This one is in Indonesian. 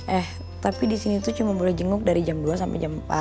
eh tapi disini tuh cuma boleh jenguk dari jam dua sampe jam empat